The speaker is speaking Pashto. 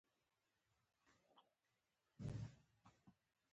د اروپا نورو لوېدیځو هېوادونو او امریکا ته پراخه شوه.